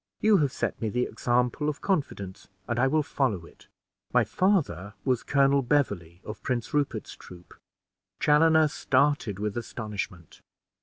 You have set me the example of confidence, and I will follow it. My father was Colonel Beverley, of Prince Rupert's troop." Chaloner started with astonishment.